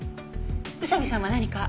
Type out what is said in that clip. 宇佐見さんは何か？